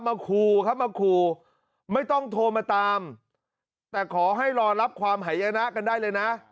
ครูครับมาคู่ไม่ต้องโทรมาตามแต่ขอให้รอรับความหายนะกันได้เลยนะ